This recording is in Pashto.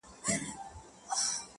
ستا له تنګ نظره جُرم دی ذاهده,